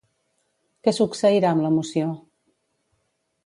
Què succeirà amb la moció?